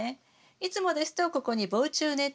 いつもですとここに防虫ネットをかけます。